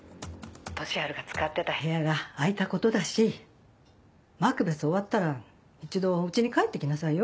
俊春が使ってた部屋が空いたことだしマクベス終わったら一度家に帰って来なさいよ。